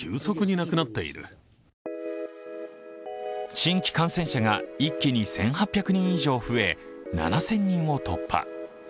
新規感染者が一気に１８００人以上増え、７０００人を突破。